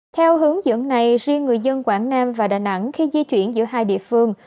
theo hướng dẫn này riêng người dân quảng nam và đà nẵng khi di chuyển giữa hai địa phương